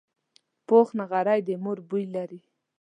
پوخ نغری د مور بوی لري